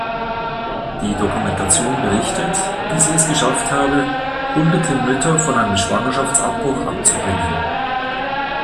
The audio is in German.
Die Dokumentation berichtet, wie sie es geschafft habe, hunderte Mütter von einem Schwangerschaftsabbruch abzubringen.